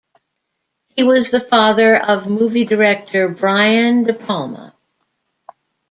He was the father of movie director Brian De Palma.